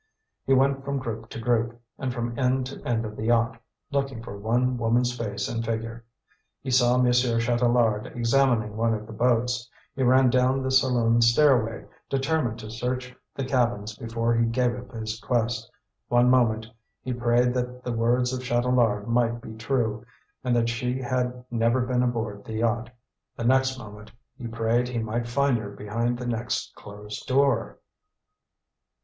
He went from group to group, and from end to end of the yacht, looking for one woman's face and figure. He saw Monsieur Chatelard, examining one of the boats. He ran down the saloon stairway, determined to search the cabins before he gave up his quest. One moment he prayed that the words of Chatelard might be true, and that she had never been aboard the yacht; the next moment he prayed he might find her behind the next closed door.